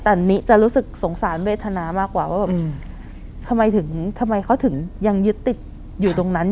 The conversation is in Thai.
แต่นี้จะรู้สึกสงสารเวทนามากกว่าว่าทำไมเขายังยึดติดอยู่ตรงนั้น